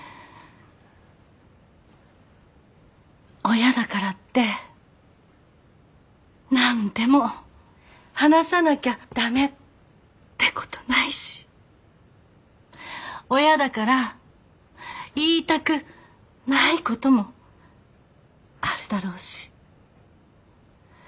親だからって何でも話さなきゃ駄目ってことないし親だから言いたくないこともあるだろうし。